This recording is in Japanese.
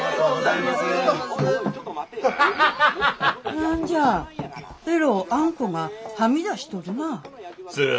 何じゃえろうあんこがはみ出しとるなあ。